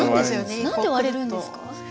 何で割れるんですか？